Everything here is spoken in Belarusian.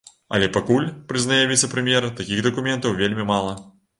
Але пакуль, прызнае віцэ-прэм'ер, такіх дакументаў вельмі мала.